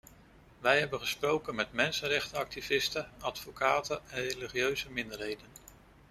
Wij hebben gesproken met mensenrechtenactivisten, advocaten en religieuze minderheden.